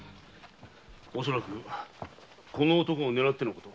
おそらくこの男を狙ってのこと。